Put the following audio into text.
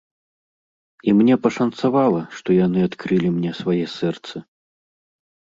І мне пашанцавала, што яны адкрылі мне свае сэрцы.